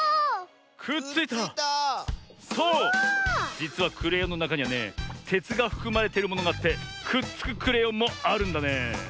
じつはクレヨンのなかにはねてつがふくまれてるものがあってくっつくクレヨンもあるんだね。